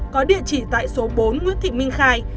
có địa chỉ tại số bốn nguyễn thị minh khai